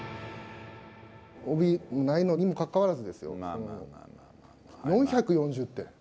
帯番組がないのにもかかわらずですよ、４４０って。